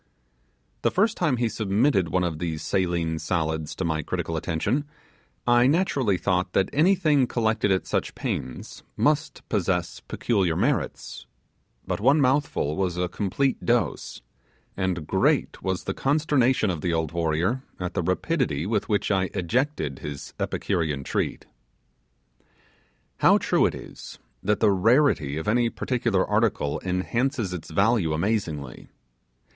The first time he submitted one of these saline salads to my critical attention I naturally thought that anything collected at such pains must possess peculiar merits; but one mouthful was a complete dose; and great was the consternation of the old warrior at the rapidity with which I ejected his Epicurean treat. How true it is, that the rarity of any particular article enhances its value amazingly.